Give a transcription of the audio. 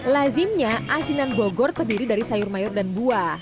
lazimnya asinan bogor terdiri dari sayur mayur dan buah